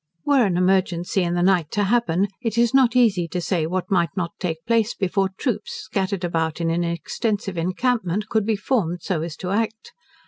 Were an emergency in the night to happen, it is not easy to say what might not take place before troops, scattered about in an extensive encampment, could be formed, so as to act.